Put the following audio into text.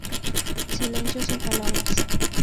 Silencio sin palabras